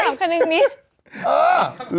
ถามขนึงนิด